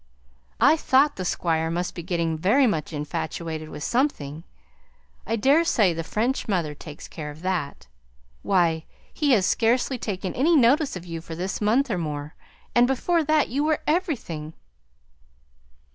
"I thought the Squire must be getting very much infatuated with something. I daresay the French mother takes care of that. Why! he has scarcely taken any notice of you for this month or more, and before that you were everything."